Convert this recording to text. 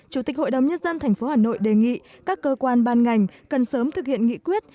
chủ tịch hội đồng nhân dân tp hà nội đề nghị các cơ quan ban ngành cần sớm thực hiện nghị quyết